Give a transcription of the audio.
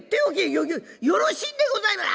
「よよよろしいんでございますか」。